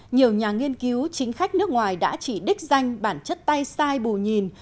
nhiều nhà nghiên cứu chính khách nước ngoài đã chỉ đích danh bản chất tay sai bù nhìn